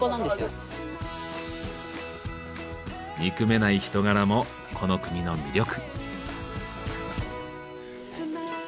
憎めない人柄もこの国の魅力。